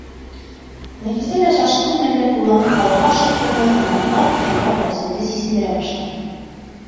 Нәфисә лә шашҡан мәлде ҡулланып ҡалырға ашыҡтымы, наҙлап-һыйпап Рәсүлде сисендерә башланы.